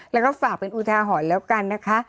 แล้วก็ฝากเป็นอุทาหรณ์แล้วกันนะคะ